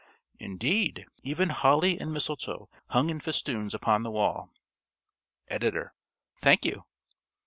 "_) Indeed, even holly and mistletoe hung in festoons upon the wall. (~Editor.~ _Thank you.